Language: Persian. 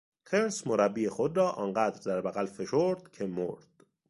خرس مربی خود را آنقدر در بغل فشرد که مرد.